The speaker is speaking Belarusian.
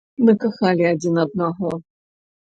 Мы кахалі адзін аднаго.